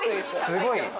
すごい。